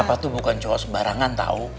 papa tuh bukan cowok sembarangan tau